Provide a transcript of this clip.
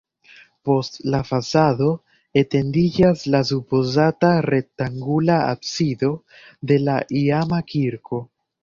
Post la fasado etendiĝas la supozata rektangula absido de la iama kirko.